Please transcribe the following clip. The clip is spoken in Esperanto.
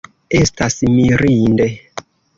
Estas mirinde.